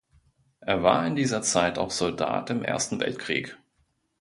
Er war in dieser Zeit auch Soldat im Ersten Weltkrieg.